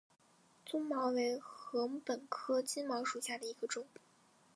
棕茅为禾本科金茅属下的一个种。